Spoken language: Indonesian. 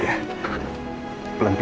papa boleh peluk